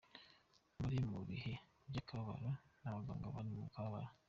Muri mu bihe vy'akababaro n'abaganga bari mu kababaro.